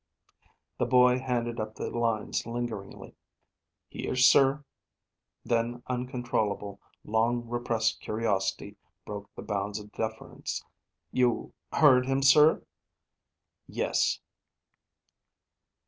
The boy handed up the lines lingeringly. "Here, sir." Then uncontrollable, long repressed curiosity broke the bounds of deference. "You heard him, sir?" "Yes."